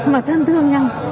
mà thân thương nhau